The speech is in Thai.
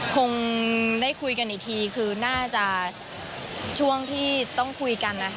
คงได้คุยกันอีกทีคือน่าจะช่วงที่ต้องคุยกันนะคะ